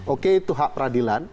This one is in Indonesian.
oke itu hak peradilan